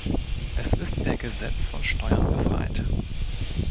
Es ist per Gesetz von Steuern befreit.